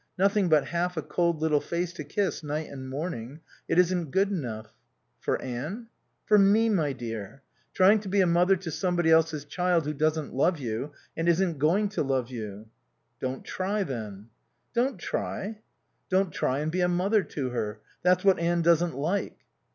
Nothing but half a cold little face to kiss night and morning. It isn't good enough." "For Anne?" "For me, my dear. Trying to be a mother to somebody else's child who doesn't love you, and isn't going to love you." "Don't try then." "Don't try?" "Don't try and be a mother to her. That's what Anne doesn't like."